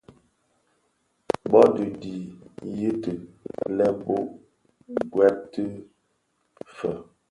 Bō dhi di yiti lè bō ghèbku fe?